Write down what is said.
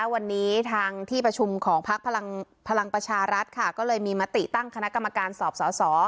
วันนี้ทางที่ประชุมของพักพลังประชารัฐก็เลยมีมติตั้งคณะกรรมการสอบสอสอ